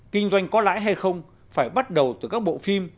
kinh doanh có lãi hay không phải bắt đầu từ các bộ phim